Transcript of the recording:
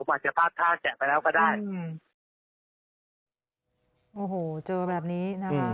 ผมอาจจะพลาดท่าแกะไปแล้วก็ได้